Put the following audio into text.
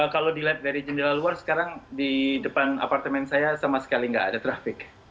kalau dilihat dari jendela luar sekarang di depan apartemen saya sama sekali nggak ada trafik